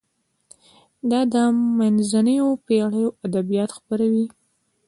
دا د منځنیو پیړیو ادبیات خپروي.